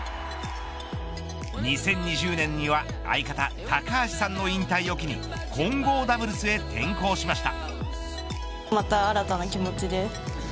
２０２０年には相方高橋さんの引退を機に混合ダブルスへ転向しました。